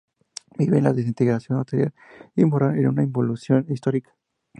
Viven la desintegración material y moral, en una involución histórica.